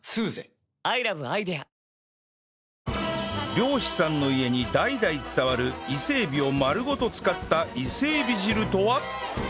漁師さんの家に代々伝わる伊勢エビを丸ごと使った伊勢エビ汁とは？